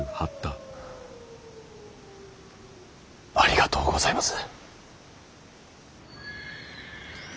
ありがとうございます。